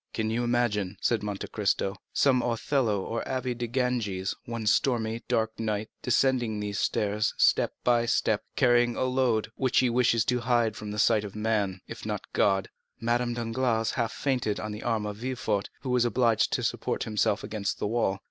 "Can you imagine," said Monte Cristo, "some Othello or Abbé de Ganges, one stormy, dark night, descending these stairs step by step, carrying a load, which he wishes to hide from the sight of man, if not from God?" Madame Danglars half fainted on the arm of Villefort, who was obliged to support himself against the wall.